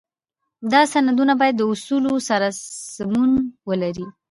دا سندونه باید د اصولو سره سمون ولري.